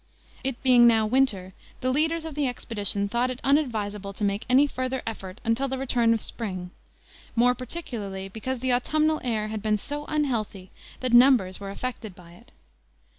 It being now winter, the leaders of the expedition thought it unadvisable to make any further effort until the return of spring, more particularly because the autumnal air had been so unhealthy that numbers were affected by it.